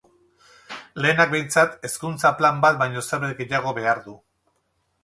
Lehenak, behintzat, Hezkuntza Plan bat baino zerbait gehiago behar du.